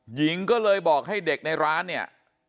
หญิงก็เลยบอกให้เด็กในร้านเนี่ย